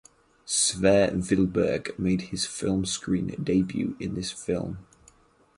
Sverre Wilberg made his film screen debut in this film.